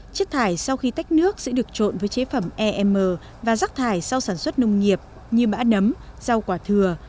chất thải sau khi tách nước sẽ được trộn với chế phẩm om và rác thải sau sản xuất nông nghiệp như bã nấm rau quả thừa